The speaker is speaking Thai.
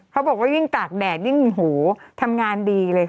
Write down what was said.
เขาบอกว่ายิ่งตากแดดยิ่งโหทำงานดีเลย